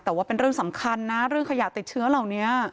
แต่ว่าเป็นเรื่องสำคัญนะเรื่องขยะติดเชื้อเหล่านี้